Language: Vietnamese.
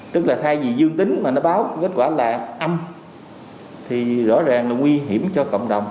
tức là thay vì dương tính mà nó báo kết quả là âm thì rõ ràng là nguy hiểm cho cộng đồng